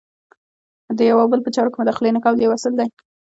د یو او بل په چارو کې د مداخلې نه کول یو اصل دی.